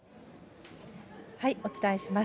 お伝えします。